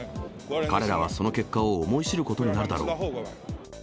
彼らはその結果を思い知ることになるだろう。